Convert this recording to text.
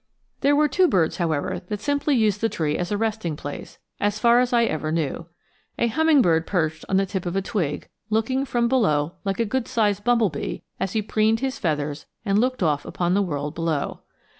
There were two birds, however, that simply used the tree as a resting place, as far as I ever knew. A hummingbird perched on the tip of a twig, looking from below like a good sized bumblebee as he preened his feathers and looked off upon the world below.